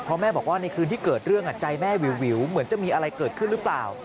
เพราะแม่บอกว่าในคืนที่เกิดเรื่องใจแม่วิวเหมือนจะมีอะไรเกิดขึ้นหรือเปล่า